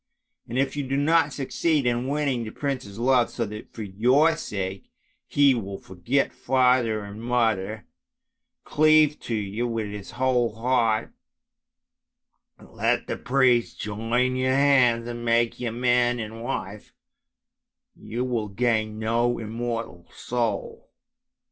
And if you do not succeed in winning the prince's love, so that for your sake he will forget father and mother, cleave to you with his whole heart, let the priest join your hands and make you man and wife, you will gain no immortal soul!